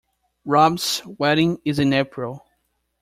Rob's wedding is in April.